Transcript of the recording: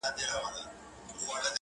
همدغه راز شاعري څیړل کیدی شي